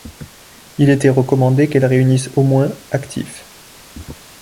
Il était recommandé qu'elles réunissent aux moins actifs.